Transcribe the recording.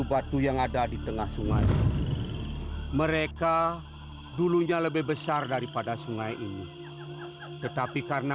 batu yang ada di tengah sungai mereka dulunya lebih besar daripada sungai ini tetapi karena